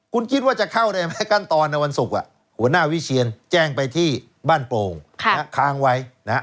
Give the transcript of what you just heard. คุณคิดว่าจะเข้าได้ไหมขั้นตอนในวันศุกร์หัวหน้าวิเชียนแจ้งไปที่บ้านโปร่งค้างไว้นะฮะ